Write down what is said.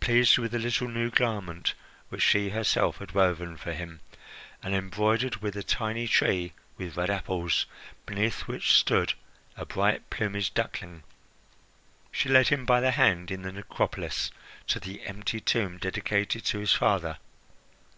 Pleased with the little new garment which she herself had woven for him and embroidered with a tiny tree with red apples, beneath which stood a bright plumaged duckling, she led him by the hand in the necropolis to the empty tomb dedicated to his father.